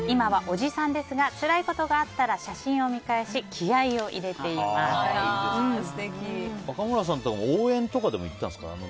今はつらいことがあったら写真を見返して若村さんって応援とかも行ったんですか？